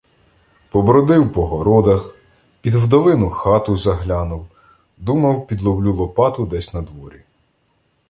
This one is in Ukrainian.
Побродив по городах, під вдовину хату заглянув, думав, підловлю Лопату десь надворі.